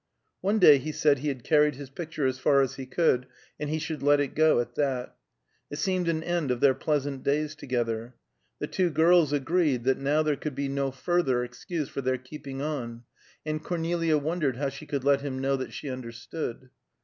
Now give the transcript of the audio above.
One day he said he had carried his picture as far as he could, and he should let it go at that. It seemed an end of their pleasant days together; the two girls agreed that now there could be no further excuse for their keeping on, and Cornelia wondered how she could let him know that she understood.